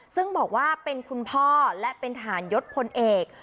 ซึ่งบอกว่าเป็นคุณพ่อและเป็นทหารยศพลเอก